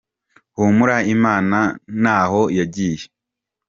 Humura Imana ntaho yagiye.